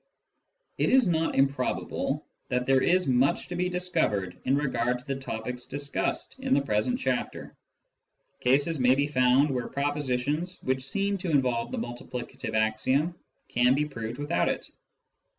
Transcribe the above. It is not improbable that there is much to be discovered in regard to the topics discussed in the present chapter. Cases may be found where propositions which seem to involve the multiplicative axiom can be proved without it.